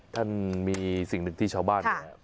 ท่านมีสิ่งหนึ่งที่ชาวบ้านเนี่ย